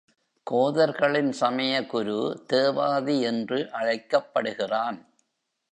கோதர்களின் சமயகுரு தேவாதி என்று அழைக்கப்படுகிறான்.